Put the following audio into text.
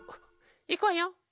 いくわよ！